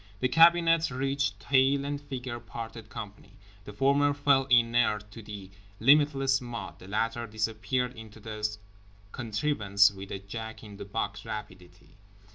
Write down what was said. The cabinet reached, tail and figure parted company; the former fell inert to the limitless mud, the latter disappeared into the contrivance with a Jack in the box rapidity.